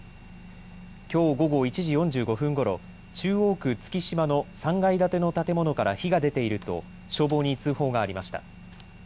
きょう午後１時４５分ごろ中央区月島の３階建ての建物から火が出ていると消防に通報がありました。